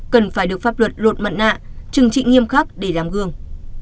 cần phải được pháp luật lột mặt nạ trừng trị nghiêm khắc để làm gương